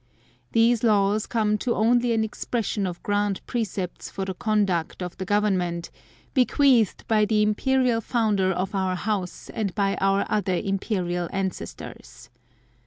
These Laws come to only an exposition of grand precepts for the conduct of the government, bequeathed by the Imperial Founder of Our House and by Our other Imperial Ancestors.